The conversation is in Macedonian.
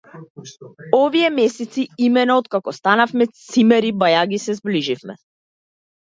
Овие месеци, имено, откако станавме цимери, бајаги се зближивме.